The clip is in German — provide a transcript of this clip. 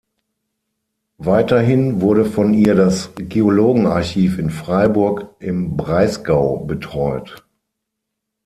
Weiterhin wurde von ihr das Geologen-Archiv in Freiburg im Breisgau betreut.